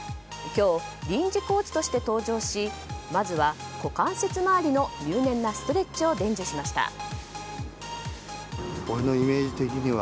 今日、臨時コーチとして登場しまずは股関節回りの入念なストレッチを伝授しました。